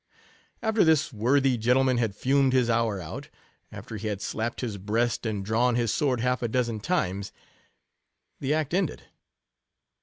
After this worthy gentleman had fumed his hour out, after he had slapped his breast and drawn his sword half a dozen times, the act ended.